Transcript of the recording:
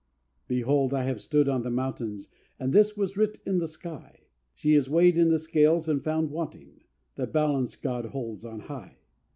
II Behold! I have stood on the mountains, and this was writ in the sky: "She is weighed in the Scales and found wanting! the balance God holds on high!"